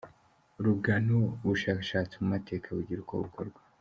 Rugano ubushakashatsi mu mateka bugira uko bukorwa.